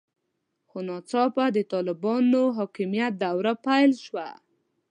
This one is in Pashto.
خو ناڅاپه د طالبانو حاکمیت دوره پیل شوه.